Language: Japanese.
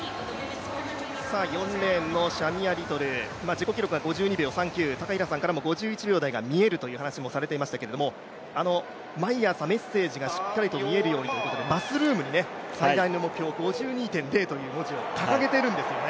４レーンのシャミア・リトル、自己記録は５２秒３９、高平さんからも、５１秒台が見えるという話もされていましたけど、毎朝メッセージがしっかりと見えるようにということでバスルームに最大の目標５２．０という文字を掲げてるんですよね。